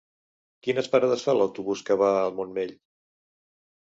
Quines parades fa l'autobús que va al Montmell?